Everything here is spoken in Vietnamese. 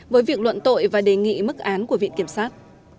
với việc luận tội và đề nghị mức án của viện kiểm sát